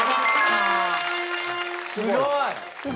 すごい。